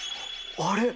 あれ？